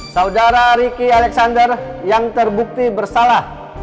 saudara riki alexander yang terbukti bersalah